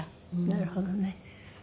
なるほどね。